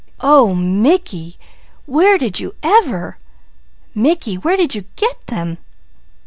"Oh! Mickey! Where did you ever? Mickey, where did you get them?